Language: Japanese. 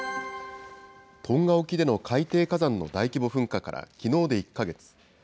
トンガ沖での海底火山の大規模噴火からきのうで１か月。